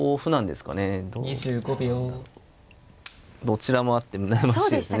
どちらもあって悩ましいですね。